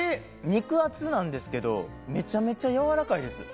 肉厚なんですけどめちゃめちゃ軟らかいです。